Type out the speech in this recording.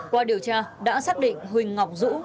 qua điều tra đã xác định huỳnh ngọc dũ